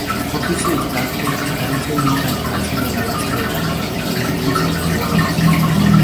Office Starter carece de un reemplazo de la base de datos Microsoft Works.